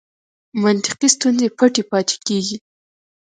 منطقي ستونزې پټې پاتې کېږي.